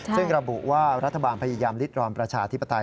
ซึ่งระบุว่ารัฐบาลพยายามลิดรอนประชาธิปไตย